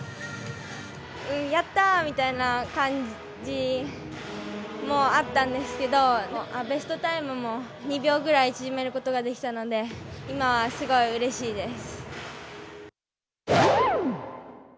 やったーみたいな、感じもあったんですけど、ベストタイムも２秒ぐらい縮めることができたので、今はすごいうれしいです。